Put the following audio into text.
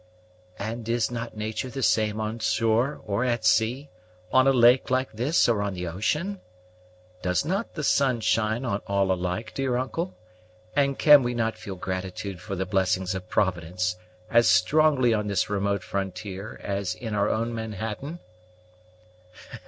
"And is not nature the same on shore or at sea on a lake like this or on the ocean? Does not the sun shine on all alike, dear uncle; and can we not feel gratitude for the blessings of Providence as strongly on this remote frontier as in our own Manhattan?"